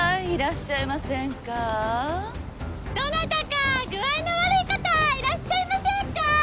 どなたか具合の悪い方いらっしゃいませんか？